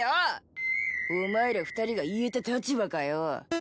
お前ら２人が言えた立場かよ。